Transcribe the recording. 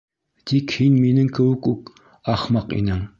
Тик һин минең кеүек үк ахмаҡ инең.